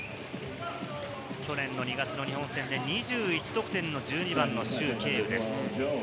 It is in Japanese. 去年の２月の日本戦で２１得点の１２番のシュウ・ケイウです。